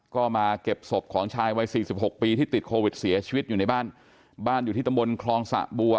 ก็มาเก็บศพของชายวัยสี่สิบหกปีที่ติดโควิดเสียชีวิตอยู่ในบ้านบ้านอยู่ที่ตำบลคลองสะบัว